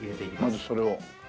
まずそれを。